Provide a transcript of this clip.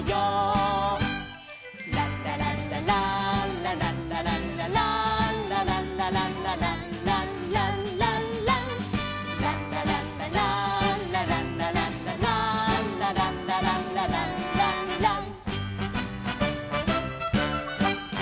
「ランラランラランラランラランラランラ」「ランラランラランラランランラン」「ランラランラランラランラランラランラ」「ランラランラランランラン」